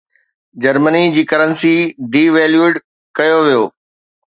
Germany جي currency devalued ڪيو ويو.